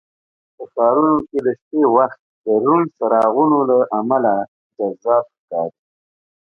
په ښارونو کې د شپې وخت د روڼ څراغونو له امله جذاب ښکاري.